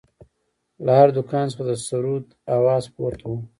له هر دوکان څخه د سروذ اواز پورته و.